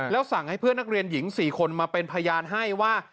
แล้วสั่งให้เพื่อนนักเรียนหญิง๔คนมาเป็นพยานให้ว่า